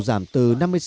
giảm từ năm mươi sáu bảy